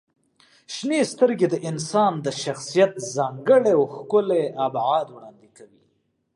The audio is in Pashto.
• شنې سترګې د انسان د شخصیت ځانګړی او ښکلی ابعاد وړاندې کوي.